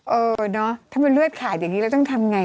เออเนอะถ้ามันเลือดขาดอย่างนี้เราต้องทำไง